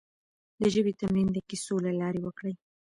د ژبې تمرين د کيسو له لارې وکړئ.